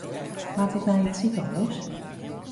Moat ik nei it sikehûs?